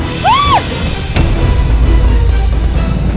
alhamdulillah rupiah alamin mas al